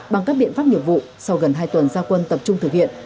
bằng các biện pháp nghiệp vụ sau gần hai tuần gia quân tập trung thực hiện